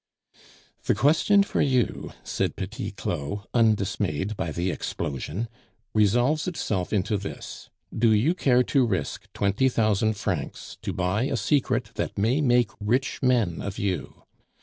"The question for you," said Petit Claud, undismayed by the explosion, "resolves itself into this: 'Do you care to risk twenty thousand francs to buy a secret that may make rich men of you?